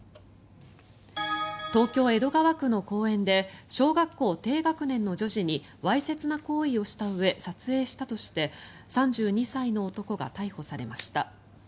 東京・江戸川区の公園で小学校低学年の女児にわいせつな行為をしたうえ撮影したとして３２歳の男が逮捕されました。